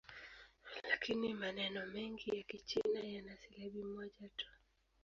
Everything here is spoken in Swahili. Lakini maneno mengi ya Kichina yana silabi moja tu.